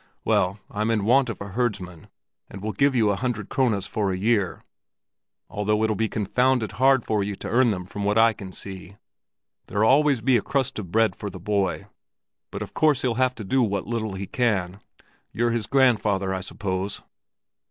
Well, I'm in want of a herdsman, and will give you a hundred krones for a year—although it'll be confounded hard for you to earn them from what I can see. There'll always be a crust of bread for the boy, but of course he'll have to do what little he can. You're his grandfather, I suppose?"